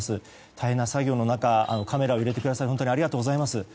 大変な作業の中カメラを入れてくださり本当にありがとうございます。